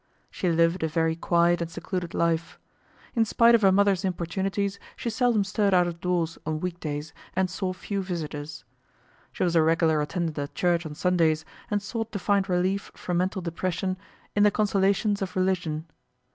She lived a very quiet and secluded life. In spite of her mother's importunities, she seldom stirred out of doors on week days, and saw few visitors. She was a regular attendant at church on Sundays, and sought to find relief from mental depression in the consolations of religion.